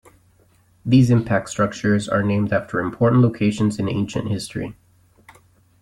These impact structures are named after important locations in ancient history.